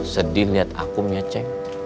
sedih liat aku ngeceng